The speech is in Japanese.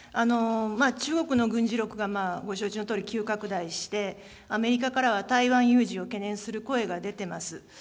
中国の軍事力が、ご承知のとおり急拡大して、アメリカからは台湾有事を懸念する声が出ています。